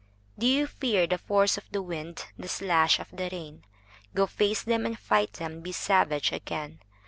DO you fear the force of the wind, The slash of the rain? Go face them and fight them, Be savage again.